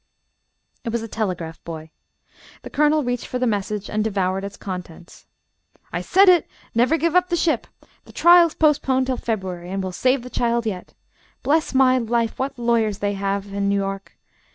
It was the telegraph boy. The Colonel reached for the message and devoured its contents: "I said it! Never give up the ship! The trial's postponed till February, and we'll save the child yet. Bless my life, what lawyers they have in New York!